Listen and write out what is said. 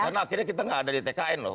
karena akhirnya kita tidak ada di tkn loh